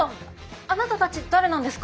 あなたたち誰なんですか！？